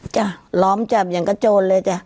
จ้ะล้อมจับอย่างกระโจนเลยจ้ะ